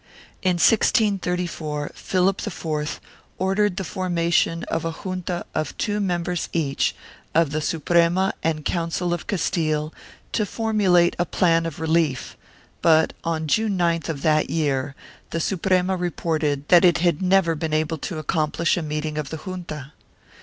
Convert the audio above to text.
In 1634 Philip IV ordered the formation of a junta of two members each of the Suprema and Council of Castile to formulate a plan of relief, but, on June 9th of that year, the Suprema reported that it had never been able to accomplish a meeting of the Junta.